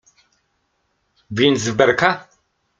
Więc w berka?